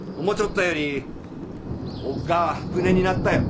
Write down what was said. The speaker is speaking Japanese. たよりおっが船になったよ。